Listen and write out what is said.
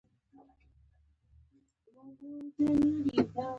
د خوراکي توکو ډول هم ټاکل شوی و.